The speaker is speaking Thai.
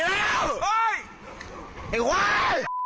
เอ๊ยหวาย